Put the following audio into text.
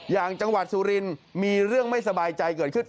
อย่างจังหวัดสุรินทร์มีเรื่องไม่สบายใจเกิดขึ้น